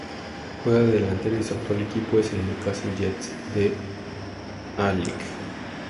Juega de delantero y su actual equipo es el Newcastle Jets de la A-League.